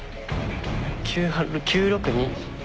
９・６・２。